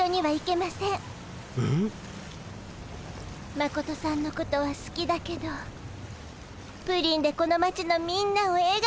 マコトさんのことはすきだけどプリンでこの町のみんなをえがおにする。